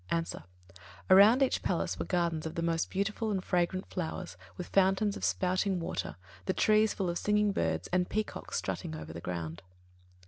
_ A. Around each palace were gardens of the most beautiful and fragrant flowers, with fountains of spouting water, the trees full of singing birds, and peacocks strutting over the ground.